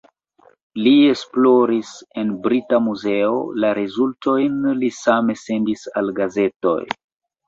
Li esploris en Brita Muzeo, la rezultojn li same sendis al gazetoj.